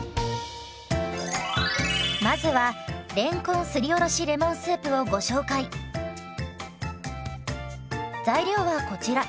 まずは材料はこちら。